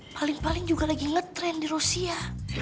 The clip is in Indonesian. paling paling juga lagi ngetrend di rusia